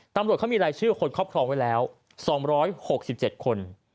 ตำรวจเขามีรายชื่อคนครอบครองไว้แล้ว๒๖๗คน